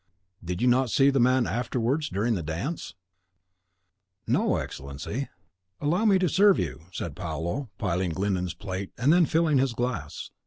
"Did you not see the man afterwards during the dance?" "No, Excellency." "Humph!" "Allow me to serve you," said Paolo, piling Glyndon's plate, and then filling his glass.